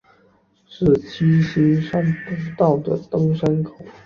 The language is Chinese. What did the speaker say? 是七星山步道的登山口。